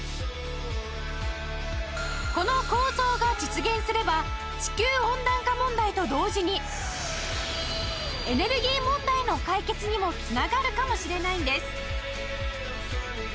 この構想が実現すれば地球温暖化問題と同時にエネルギー問題の解決にもつながるかもしれないんです